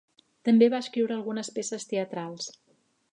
També va escriure algunes peces teatrals.